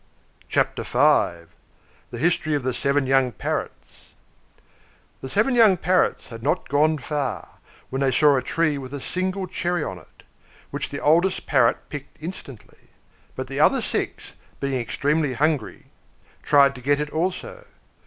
CHAPTER V. THE HISTORY OF THE SEVEN YOUNG PARROTS. The seven young Parrots had not gone far, when they saw a tree with a single cherry on it, which the oldest Parrot picked instantly; but the other six, being extremely hungry, tried to get it also.